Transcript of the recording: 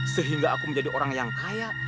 sehingga aku menjadi orang yang kaya